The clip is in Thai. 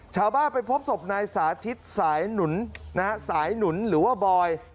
ชาวบ้านไปพบศพนายสาธิตสายหนุนสายหนุนหรือว่าบอย